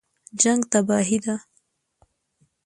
جنګ تباهي ده